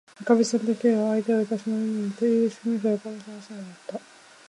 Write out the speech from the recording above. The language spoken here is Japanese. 「おかみさん」と、Ｋ は相手をたしなめるようにいった。「いいすぎましたわ」と、おかみはすなおにいった。